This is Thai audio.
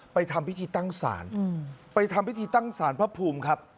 ทำพิธีตั้งศาลไปทำพิธีตั้งสารพระภูมิครับ